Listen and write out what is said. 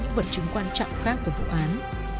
những vật chứng quan trọng khác của vụ án